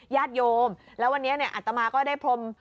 ญาติโยมแล้ววันนี้เนี่ยอัตมาก็ได้พรม